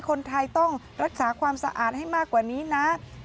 คนไทยต้องรักษาความสะอาดให้มากกว่านี้นะ